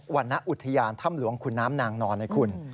รณอุทยานถ้ำหลวงขุนน้ำนางนอนให้คุณ